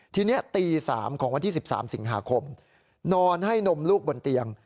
ทีนี้ตี๓ของวันที่๑๓สิงหาคมนอนให้นมลูกบนเตียง